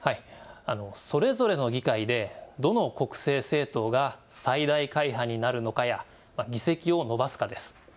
それぞれの議会でどの国政政党が最大会派になるのかや議席を伸ばすかです。